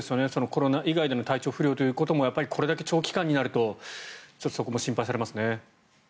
コロナ以外での体調不良というところもこれだけ長期間になるとそこも心配されますね。